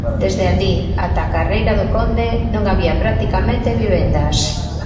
Desde alí até a Carreira do Conde non había practicamente vivendas.